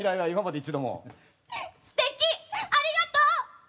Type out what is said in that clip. すてき、ありがとう！